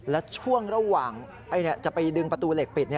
และช่วงระหว่างจะไปดึงประตูเหล็กปิด